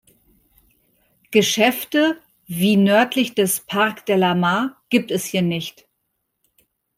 Geschäfte, wie nördlich des "Parc de la Mar", gibt es hier nicht.